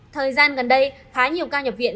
thời gian gần đây khá nhiều ca nhập viện